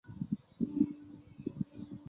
现任中国人民解放军重庆警备区政治委员。